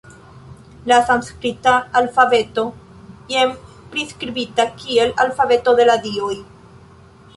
La sanskrita alfabeto, jen priskribita kiel “alfabeto de la Dioj”.